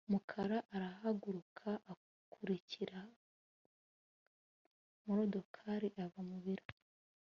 Mukara arahaguruka akurikira Mukandoli ava mu biro